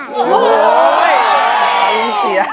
อารมณ์เสีย